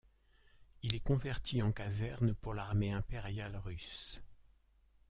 Il est converti en caserne pour l'Armée impériale russe.